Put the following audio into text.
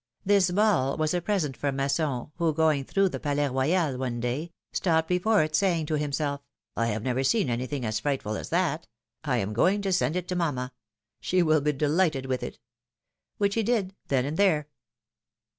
This ball was a present from Masson, who, going through the Palais Royal one day, stopped before it, saying to himself: have never seen anything as frightful as that; I am going to send it to mamma. She will be delighted with it." Which he did then and there.